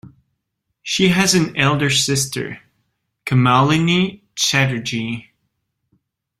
She has an elder sister, Kamalini Chatterjee.